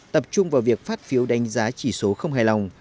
tập trung vào việc phát phiếu đánh giá chỉ số không hài lòng